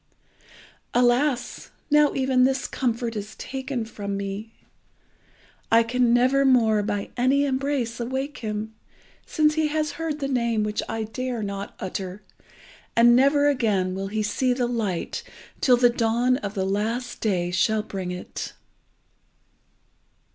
Alas! now even this comfort is taken from me. I can never more by any embrace awake him, since he has heard the name which I dare not utter, and never again will he see the light till the dawn of the last day shall bring it."